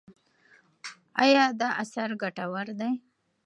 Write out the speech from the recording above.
ایا دا اثر ګټور دی؟